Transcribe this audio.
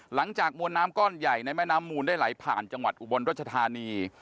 หลังจากมวลน้ำก้อนใหญ่ในแม่น้ำมูลได้ไหลผ่านจังหวัดอุบลรัชธานี